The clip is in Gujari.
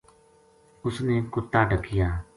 اس نے کُتا ڈَکیا